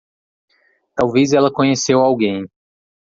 Talvez ela conheceu alguém.